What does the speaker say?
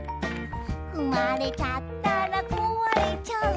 「ふまれちゃったらこわれちゃう」